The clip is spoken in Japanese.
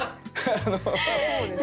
そうですね